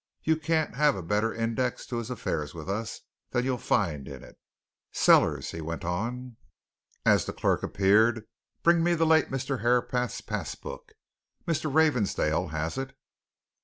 You can't have a better index to his affairs with us than you'll find in it. Sellars," he went on, as a clerk appeared, "bring me the late Mr. Herapath's pass book Mr. Ravensdale has it."